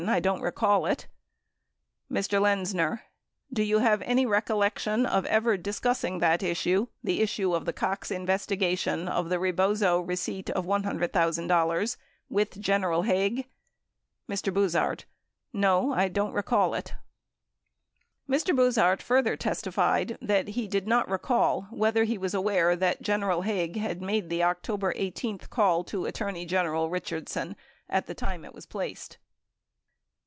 I don't recall it. Mr. Lenzner. Do you have any recollection of ever discussing that issue, the issue of the Cox investigation of the Rebozo receipt of $100,000, with General Haig ? Mr. Buzhardt. No, I don't recall it . 1 Mr. Buzhardt further testified that he did not recall whether he was aware that General Haig had made the October 18 call to Attorney General Richardson at the time it was placed.